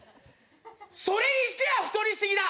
「それにしては太りすぎだ。